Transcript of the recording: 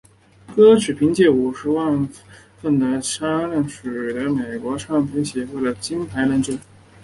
歌曲凭借五十万份的销量取得美国唱片业协会的金牌认证。